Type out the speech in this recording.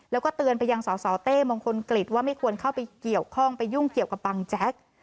แล้วก็เตือนไปยังสสเต้มงคลกฤษว่าไม่ควรเข้าไปเกี่ยวข้องไปยุ่งเกี่ยวกับบังแจ๊ก